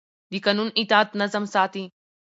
د قانون اطاعت نظم ساتي